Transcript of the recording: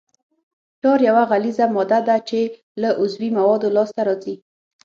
ټار یوه غلیظه ماده ده چې له عضوي موادو لاسته راځي